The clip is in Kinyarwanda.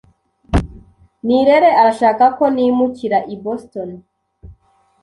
Nirere arashaka ko nimukira i Boston.